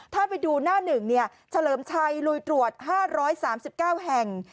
ถ้าไปดูหน้าหนึ่งเฉลิมชัยลุยตรวจ๕๓๙แห่ง